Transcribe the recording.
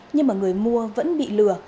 nhưng mà người mua vẫn bị lừa